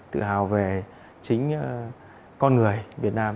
tự hào về chính con người việt nam